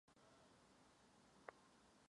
Zároveň je určen pro nekomerční využití.